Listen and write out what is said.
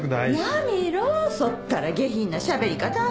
やめろそったら下品なしゃべり方。